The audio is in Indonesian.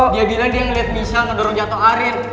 dia bilang dia ngeliat misha ngedorong jatuh aril